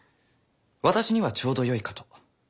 私にはちょうどよいかと。